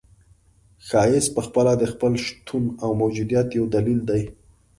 ښایست پخپله د خپل شتون او موجودیت یو دلیل دی.